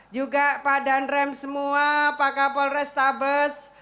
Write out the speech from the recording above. juga pak dandrem semua pak kapol restabes